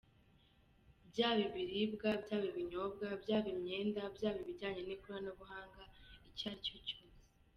Byaba ibiribwa, byaba ibinyobwa, byaba imyenda, byaba ibijyanye n’ikoranabuhanga… icyo aricyo cyose.